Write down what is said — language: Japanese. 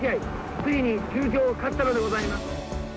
ついに中京勝ったのでございます。